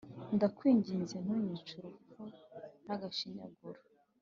ndakwiginze ntunyice urupfu n’agashinyaguro”